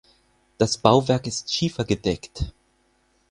Das Bauwerk ist schiefergedeckt.